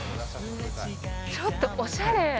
ちょっと、おしゃれ。